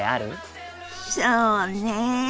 そうねえ